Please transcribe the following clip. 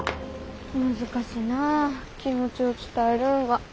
難しなあ気持ちを伝えるんは。